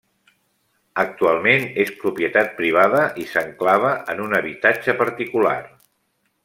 Actualment és propietat privada i s'enclava en un habitatge particular.